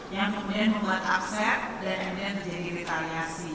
yang kemudian membuat akses dan kemudian terjadi retaliasi